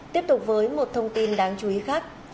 tiếp tục với một thông tin đáng chú ý khác